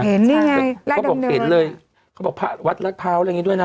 เขาบอกปิดเลยเขาบอกวัดรัดเภาอะไรอย่างนี้ด้วยนะ